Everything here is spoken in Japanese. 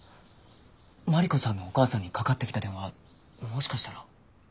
マリコさんのお母さんにかかってきた電話もしかしたら。